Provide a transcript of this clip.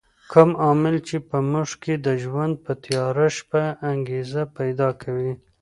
کوم عامل چې په موږ کې د ژوند په تیاره شپه انګېزه پیدا کوي.